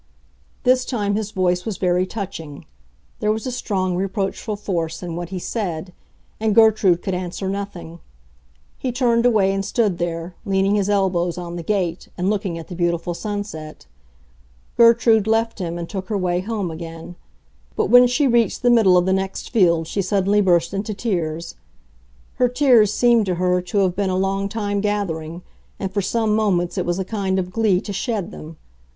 This time his voice was very touching; there was a strong, reproachful force in what he said, and Gertrude could answer nothing. He turned away and stood there, leaning his elbows on the gate and looking at the beautiful sunset. Gertrude left him and took her way home again; but when she reached the middle of the next field she suddenly burst into tears. Her tears seemed to her to have been a long time gathering, and for some moments it was a kind of glee to shed them.